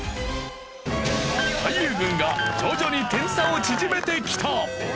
俳優軍が徐々に点差を縮めてきた！